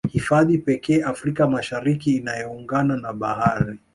Hifadhi pekee Afrika Mashariki inayoungana na Bahari